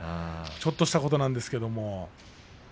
ちょっとしたことなんですけれども。